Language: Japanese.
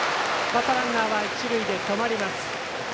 バッターランナー一塁で止まります。